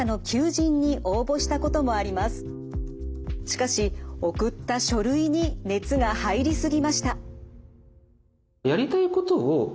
しかし送った書類に熱が入り過ぎました。